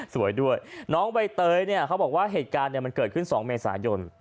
สวยด้วยน้องใบเตยเนี่ยเขาบอกว่าเหตุการณ์มันเกิดขึ้น๒เมษายน